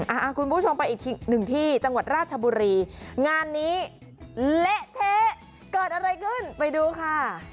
คุณผู้ชมไปอีกหนึ่งที่จังหวัดราชบุรีงานนี้เละเทะเกิดอะไรขึ้นไปดูค่ะ